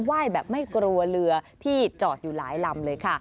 ว่ายแบบไม่กลัวเรือที่จอดอยู่หลายลำเลยค่ะ